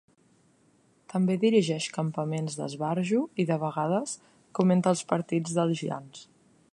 També dirigeix campaments d'esbarjo i, de vegades, comenta els partits dels Giants.